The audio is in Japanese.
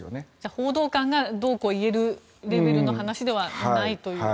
報道官がどうこう言えるレベルの話ではないという。